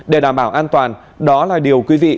để đảm bảo an toàn đó là điều quý vị